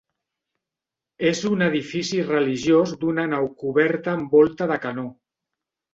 És un edifici religiós d'una nau coberta amb volta de canó.